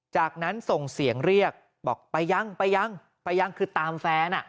จากนั้นส่งเสียงเรียกบอกไปยังไปยังไปยังคือตามแฟน